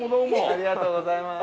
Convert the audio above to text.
ありがとうございます。